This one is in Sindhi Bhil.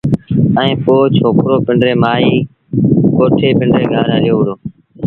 ائيٚݩ پو ڇوڪرو پنڊريٚ مآئيٚ ڪوٺي پنڊري گھر هليو وهُڙو